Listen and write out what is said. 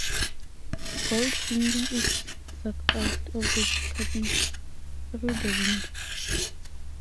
Goldfinger is sucked out of the cabin through the window.